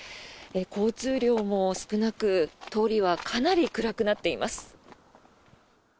交通量も少なく通りはかなり暗くなっています。